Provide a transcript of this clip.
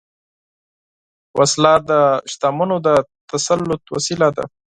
وسله د شتمنو د تسلط وسیله ده